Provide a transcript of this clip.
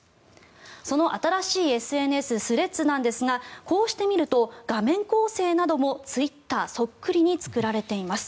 その新しいＳＮＳスレッズなんですがこうして見ると画面構成などもツイッターそっくりに作られています。